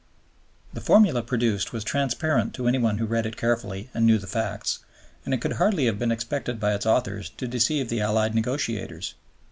The formula produced was transparent to any one who read it carefully and knew the facts, and it could hardly have been expected by its authors to deceive the Allied negotiators.